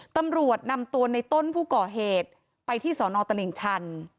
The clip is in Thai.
ตำรวจนำตัวในต้นผู้ก่อเหตุไปที่สอนอตลิ่งชัน